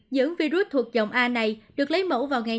những virus thuộc dòng a này được lấy mẫu vào ngày